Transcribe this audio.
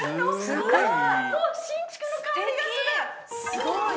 すごい。